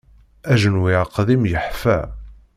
Ajenwi aqdim yeḥfa.